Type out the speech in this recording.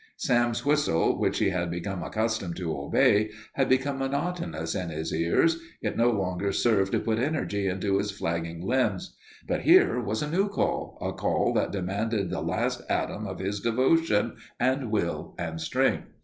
Sam's whistle, which he had become accustomed to obey, had become monotonous in his ears; it no longer served to put energy into his flagging limbs. But here was a new call, a call that demanded the last atom of his devotion and will and strength.